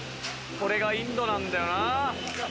これがインドなんだよなぁ。